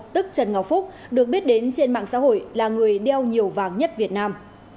tức trần ngọc phúc được biết đến trên mạng xã hội là người đeo nhiều vàng nhất việt nam